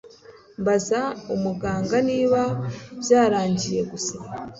mbaza muganga niba byarangiye gusa